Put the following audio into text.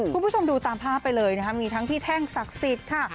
คุณผู้ชมดูตามภาพไปเลยนะครับมีทั้งพี่แท่งศักดิ์สิทธิ์ค่ะ